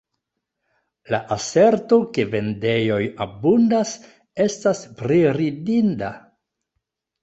La aserto, ke vendejoj abundas, estas priridinda.